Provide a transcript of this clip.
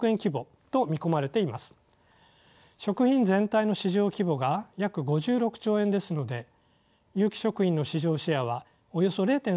食品全体の市場規模が約５６兆円ですので有機食品の市場シェアはおよそ０．３％となります。